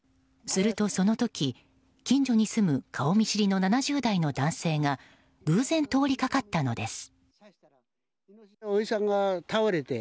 すると、その時近所に住む顔見知りの７０代の男性が偶然、通りかかったのです。